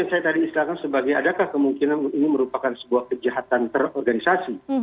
jadi saya tadi istilahkan sebagai adakah kemungkinan ini merupakan sebuah kejahatan terorganisasi